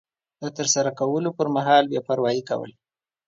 د ترسره کولو پر مهال بې پروایي کول